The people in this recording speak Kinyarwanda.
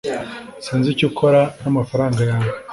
sinzi icyo ukora n'amafaranga yawe